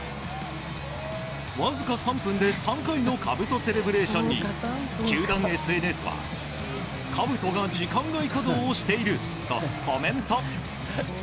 わずか３分で３回のかぶとセレブレーションに球団ＳＮＳはかぶとが時間外稼働をしているとコメント。